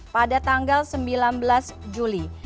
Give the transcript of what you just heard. pada tanggal sembilan belas juli